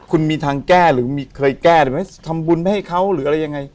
คุณมีทางแก้หรือเคยแก้ได้ไหมทำบุญไปให้เขาหรืออะไรยังไง